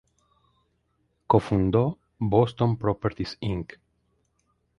Co-fundó Boston Properties, Inc.